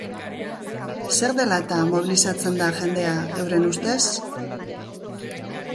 Zer dela-eta mobilizatzen da jendea, euren ustez?